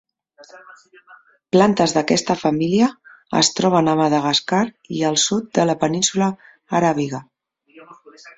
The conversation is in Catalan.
Plantes d'aquesta família es troben a Madagascar i al sud de la Península Aràbiga.